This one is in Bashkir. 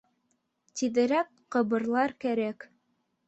Тиҙерәк ҡыбырлар кәрәк.